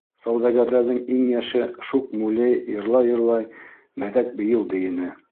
Сауҙагәрҙәрҙең иң йәше шуҡ Мулей йырлай-йырлай мәҙәк бейеү бейене.